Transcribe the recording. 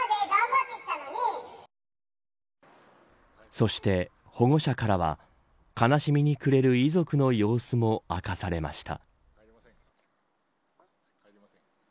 そして保護者からは悲しみに暮れる遺族の様子も明かされました。